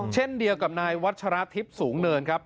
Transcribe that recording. เช่นเดียวกับนายวัชราทิพย์สูงเนินครับ